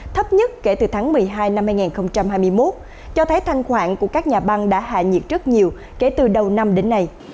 thấp nhất kể từ tháng một mươi hai năm hai nghìn hai mươi một cho thấy thanh khoản của các nhà băng đã hạ nhiệt rất nhiều kể từ đầu năm đến nay